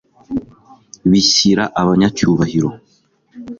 bishyira abanyacyubahiro